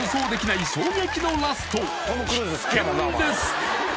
必見です！